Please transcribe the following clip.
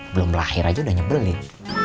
belum lahir aja udah nyebelin